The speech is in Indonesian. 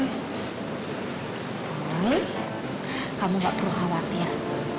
boy kamu gak perlu khawatir